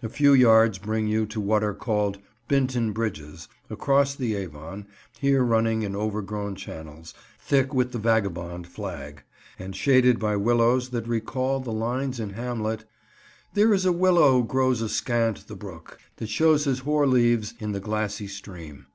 A few yards bring you to what are called "Binton bridges," across the Avon, here running in overgrown channels, thick with "the vagabond flag," and shaded by willows that recall the lines in Hamlet— "There is a willow grows askant the brook That shows his hoar leaves in the glassy stream."